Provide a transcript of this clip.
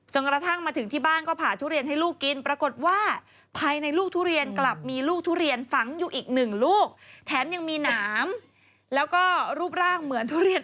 กระทั่งมาถึงที่บ้านก็ผ่าทุเรียนให้ลูกกินปรากฏว่าภายในลูกทุเรียนกลับมีลูกทุเรียนฝังอยู่อีกหนึ่งลูกแถมยังมีหนามแล้วก็รูปร่างเหมือนทุเรียน